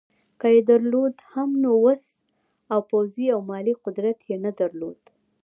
که یې درلود هم نو وس او پوځي او مالي قدرت یې نه درلود.